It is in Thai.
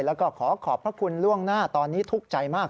แล้วก็ขอขอบพระคุณล่วงหน้าตอนนี้ทุกข์ใจมาก